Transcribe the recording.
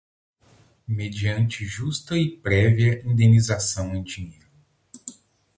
mediante justa e prévia indenização em dinheiro